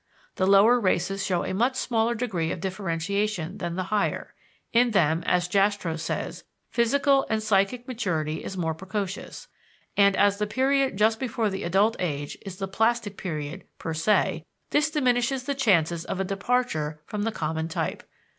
The lower races show a much smaller degree of differentiation than the higher; in them, as Jastrow says, physical and psychic maturity is more precocious, and as the period just before the adult age is the plastic period per se, this diminishes the chances of a departure from the common type.